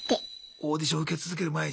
オーディション受け続ける毎日。